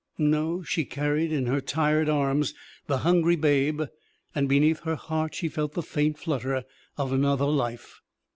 No; she carried in her tired arms the hungry babe, and beneath her heart she felt the faint flutter of another life.